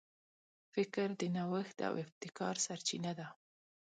فکر د نوښت او ابتکار سرچینه ده.